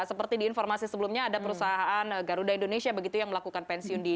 seperti di informasi sebelumnya ada perusahaan garuda indonesia begitu yang melakukan pensiun di